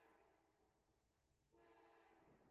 El claustro es de forma rectangular, consta de dos pisos.